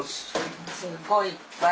すごいいっぱい。